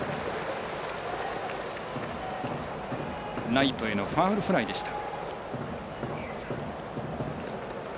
ライトへのファウルフライでした。